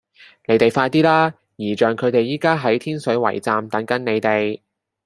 你哋快啲啦!姨丈佢哋而家喺天水圍站等緊你哋